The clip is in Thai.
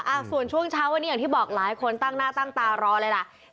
ส่วนช่วงเช้าวันนี้อย่างที่บอกหลายคนตั้งหน้าตั้งตารอเลยล่ะ